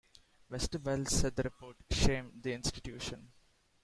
Westerwelle said the report "shamed" the institution.